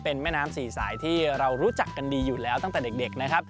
เป็นแม่น้ำสี่สายที่เรารู้จักกันดีอยู่แล้วตั้งแต่เด็กนะครับ